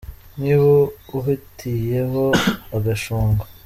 Niba uhutiye ho agashungo